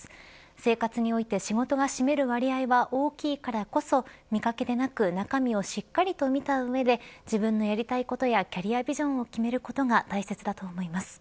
生活において仕事が占める割合は大きいからこそ見かけでなく中身をしっかりと見た上で自分のやりたいことやキャリアビジョンを決めることが大切だと思います。